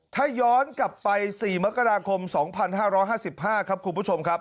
ถ้าย้อนกลับไป๔มกราคม๒๕๕๕ครับคุณผู้ชมครับ